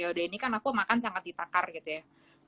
ya udah ini kan aku makan sangat ditakar gitu ya